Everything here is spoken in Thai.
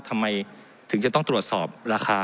ทำไมถึงจะต้องตรวจสอบราคา